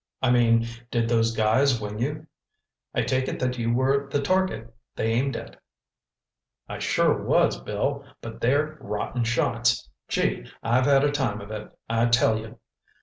I mean, did those guys wing you? I take it that you were the target they aimed at." "I sure was, Bill, but they're rotten shots. Gee, I've had a time of it, I tell you.